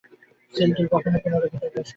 Seal team কখন পুনরায় ভেতরে প্রবেশ করতে পারবে?